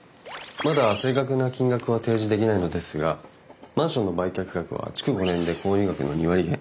まだ正確な金額は提示できないのですがマンションの売却額は築５年で購入額の２割減。